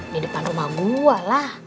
di depan rumah gue lah